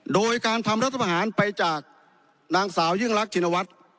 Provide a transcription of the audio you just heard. โดยการทำรัฐประหารไปจากนางสาวยิ่งรักชินวัฒน์